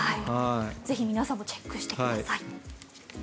ぜひ皆さんもチェックしてください。